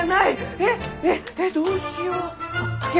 えっえっえっどうしよう。